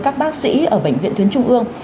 các bác sĩ ở bệnh viện tuyến trung ương